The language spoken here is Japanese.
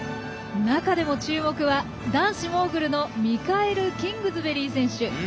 中でも注目は男子モーグルのミカエル・キングズベリー選手。